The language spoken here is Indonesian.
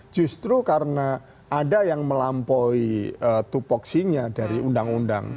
justru karena ada yang melampaui tupoksinya dari undang undang